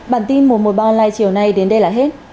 bản tin mùa mùa bao online chiều nay đến đây là hết